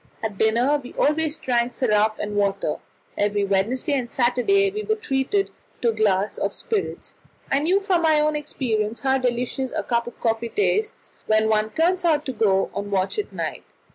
At dinner we always drank syrup and water; every Wednesday and Saturday we were treated to a glass of spirits. I knew from my own experience how delicious a cup of coffee tastes when one turns out to go on watch at night.